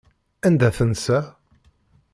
Anda tensa?